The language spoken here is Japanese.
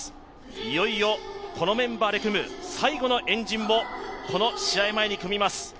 いよいよこのメンバーで組む最後の円陣をこの試合前に組みます。